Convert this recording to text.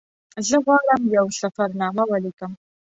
زه غواړم یوه سفرنامه ولیکم.